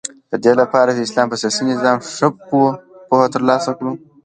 ددې لپاره چی د اسلام په سیاسی نظام ښه پوهه تر لاسه کړو